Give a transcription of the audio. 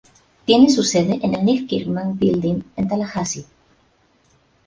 Tiene su sede en el Neil Kirkman Building en Tallahassee.